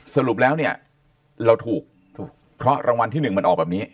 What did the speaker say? สรุปแล้วเนี่ยเราถูกเพราะรางวัลที่๑มันออกแบบนี้